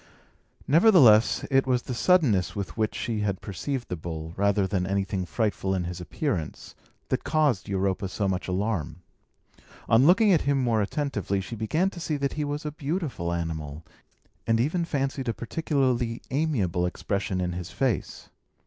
Nevertheless, it was the suddenness with which she had perceived the bull, rather than anything frightful in his appearance, that caused Europa so much alarm. On looking at him more attentively, she began to see that he was a beautiful animal, and even fancied a particularly amiable expression in his face.